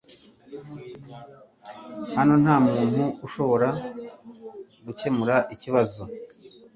Hano nta muntu ushobora gukemura ikibazo